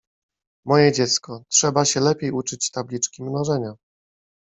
— Moje dziecko, trzeba się lepiej uczyć tabliczki mnożenia.